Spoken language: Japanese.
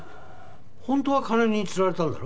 本当は金に釣られたんだろ？